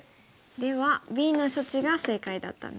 ではＢの処置が正解だったんですね。